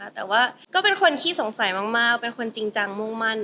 แต่ว่าก็เป็นคนขี้สงสัยมากเป็นคนจริงจังมุ่งมั่น